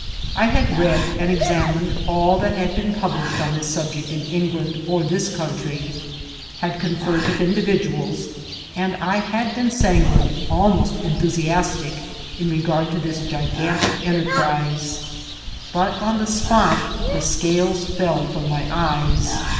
I had read and examined all that had been published on this subject in England or this country ; had conferred with individuals ; and I had been sanguine, almost enthusiastic, in regard to this gigantic enterprise ; but on the spot the scales fell from my eyes.